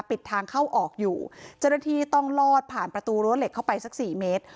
ปิดทางเข้าออกอยู่เจ้าหน้าที่ต้องลอดผ่านประตูรั้วเหล็กเข้าไปสักสี่เมตร